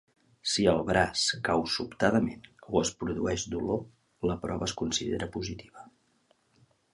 Si el braç cau sobtadament o es produeix dolor, la prova es considera positiva.